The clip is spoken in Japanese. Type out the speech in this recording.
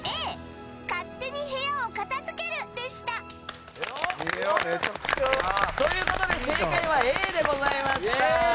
勝手に部屋を片付けるでした！ということで正解はＡでございました。